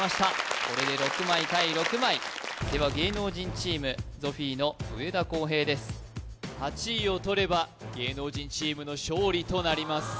これで６枚対６枚では芸能人チームゾフィーの上田航平です８位をとれば芸能人チームの勝利となります